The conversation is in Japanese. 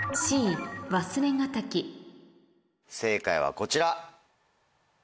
正解はこちら。